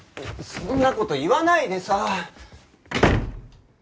そんな事言わないでさ。